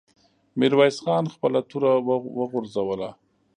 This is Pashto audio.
ميرويس خان خپله توره وغورځوله.